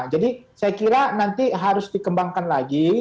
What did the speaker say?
jadi saya kira nanti harus dikembangkan lagi